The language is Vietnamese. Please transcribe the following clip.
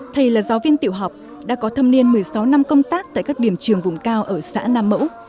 thầy là giáo viên tiểu học đã có thâm niên một mươi sáu năm công tác tại các điểm trường vùng cao ở xã nam mẫu